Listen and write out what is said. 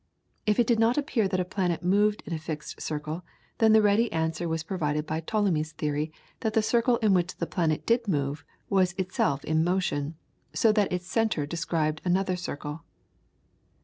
If it did not appear that a planet moved in a fixed circle, then the ready answer was provided by Ptolemy's theory that the circle in which the planet did move was itself in motion, so that its centre described another circle.